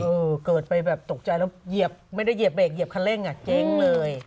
เออเกิดไปแบบตกใจแล้วเหยียบไม่ได้เหยียบเรกเหยียบคันเร่งอ่ะเจ๊งเลย